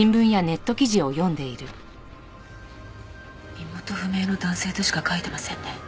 身元不明の男性としか書いてませんね。